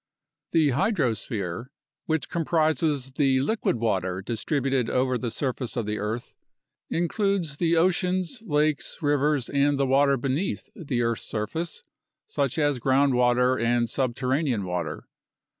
The hydrosphere, which comprises the liquid water distributed over the surface of the earth, includes the oceans, lakes, rivers, and the water beneath the earth's surface, such as groundwater and sub terranean water.